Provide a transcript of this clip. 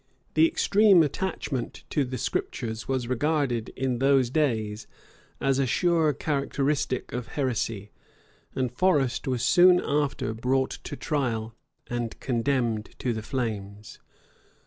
The extreme attachment to the Scriptures was regarded, in those days, as a sure characteristic of heresy; and Forrest was soon after brought to trial, and condemned to the flames.